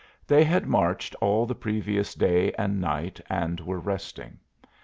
They had marched all the previous day and night and were resting.